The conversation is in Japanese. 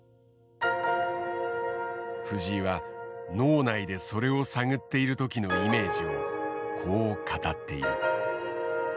藤井は脳内でそれを探っている時のイメージをこう語っている。